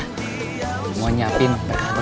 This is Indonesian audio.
semua nyelesaikan which one